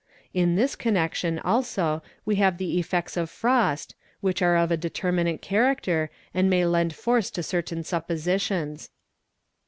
In this connection also we have the effects of frost, which are of — a determinate character and may lend force to certain suppositions.